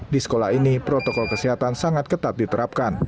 di sekolah ini protokol kesehatan sangat ketat diterapkan